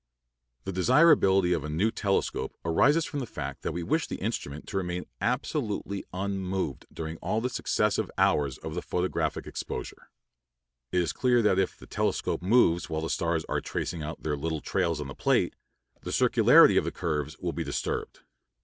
The desirability of a new telescope arises from the fact that we wish the instrument to remain absolutely unmoved during all the successive hours of the photographic exposure. It is clear that if the telescope moves while the stars are tracing out their little trails on the plate, the circularity of the curves will be disturbed.